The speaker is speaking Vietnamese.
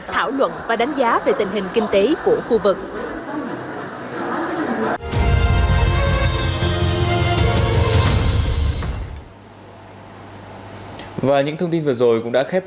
thảo luận và đánh giá về tình hình kinh tế của khu vực